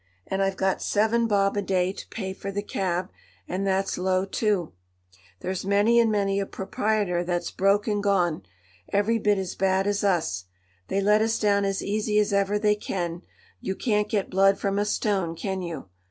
And I've got seven bob a day to pay for the cab, and that's low, too. There's many and many a proprietor that's broke and gone—every bit as bad as us. They let us down as easy as ever they can; you can't get blood from a stone, can you?"